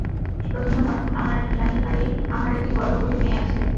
প্রথমে হঠাৎ আমার জানতে পারি আমার একটি গর্ভবতী মেয়ে আছে।